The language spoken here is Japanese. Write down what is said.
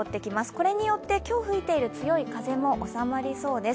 これによって今日吹いている強い風も収まりそうです。